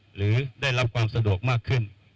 หรือได้รับความสะดวกมากขึ้น